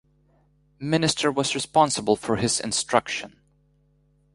Minister was responsible for his instruction.